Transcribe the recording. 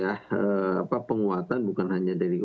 ya makanya kan butuh ya penguatan bukan hanya dari saya